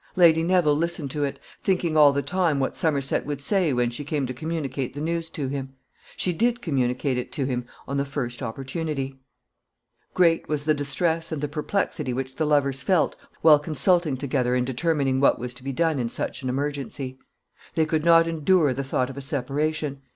Lady Neville listened to it, thinking all the time what Somerset would say when she came to communicate the news to him. She did communicate it to him on the first opportunity. [Sidenote: Perplexity of Lady Neville.] Great was the distress and the perplexity which the lovers felt while consulting together and determining what was to be done in such an emergency. They could not endure the thought of a separation.